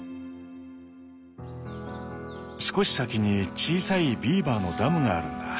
少し先に小さいビーバーのダムがあるんだ。